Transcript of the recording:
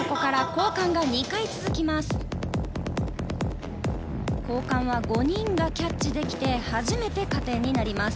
交換は５人がキャッチできて初めて加点になります。